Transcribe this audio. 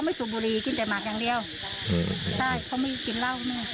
ไม่สูบบุรีกินแต่หมักอย่างเดียวอืมใช่เขาไม่กินเหล้า